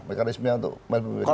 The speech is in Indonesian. mekanisme untuk memilih